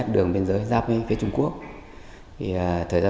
sáu trên sáu xã biên giới đều thực hiện cái chủ trương này